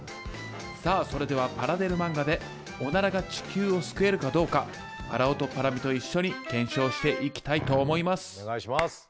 さあそれではパラデル漫画でオナラが地球を救えるかどうかパラオとパラミと一緒に検証していきたいと思います。